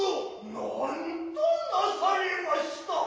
何となされました。